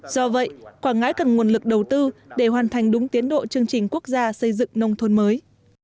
do vậy quảng ngãi cần nguồn lực đầu tư để hoàn thành đúng tiến độ chương trình quốc gia xây dựng nông thôn mới